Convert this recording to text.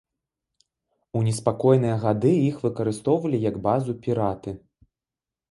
У неспакойныя гады іх выкарыстоўвалі як базу піраты.